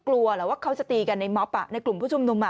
ป้าไม่กลัวว่าเขาจะตีกันในมอบในกลุ่มผู้ชุมนม